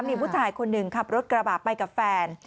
มีผู้ชายคนหนึ่งขับรถกระบะไปกับแฟน